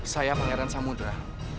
saya pangeran samudera